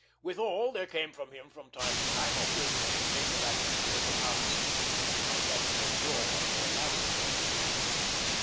Withal, there came from him from time to time a whiff of the naval atmosphere of the past, like that from a drawer where lavender has been.